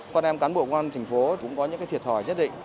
con em cán bộ quan thành phố cũng có những thiệt hỏi nhất định